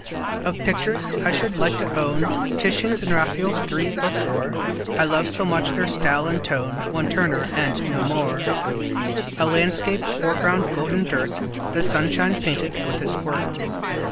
Of pictures, I should like to own Titians and Raphaels three or four, I love so much their style and tone, One Turner, and no more, (A landscape, foreground golden dirt, The sunshine painted with a squirt.)